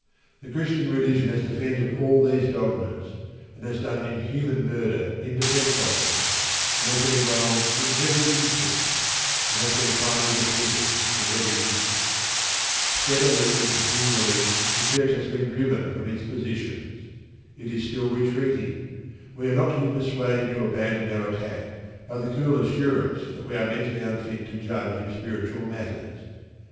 The Christian religion has defended all these dogmas, and has done inhuman murder in defence of them; and has been wrong in every instance, and has been finally defeated in every instance. Steadily and continually the Church has been driven from its positions. It is still retreating, and we are not to be persuaded to abandon our attack by the cool assurance that we are mentally unfit to judge in spiritual matters.